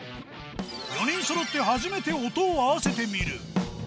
４人そろって初めて音を合わせてみる。